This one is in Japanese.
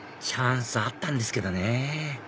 チャンスあったんですけどね